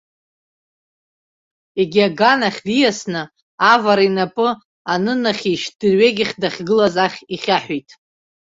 Егьи аганахь диасны авара инапы анынахьишь, дырҩегьых дахьгылаз ахь ихьаҳәит.